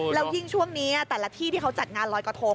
แล้วยิ่งช่วงนี้แต่ละที่ที่เขาจัดงานลอยกระทง